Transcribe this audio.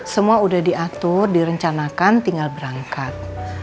semua udah diatur direncanakan tinggal berangkat